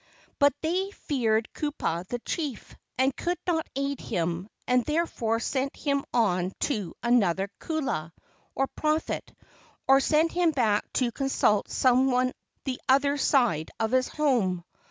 But they feared Kupa the chief, and could not aid him, and therefore sent him on to another kaula, or prophet, or sent him back to consult some one the other side of his home.